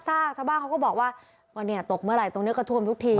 ชาวบ้านเขาก็บอกว่าเนี่ยตกเมื่อไหรตรงนี้ก็ท่วมทุกที